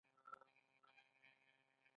دوی له تیلو ډیر شیان جوړوي.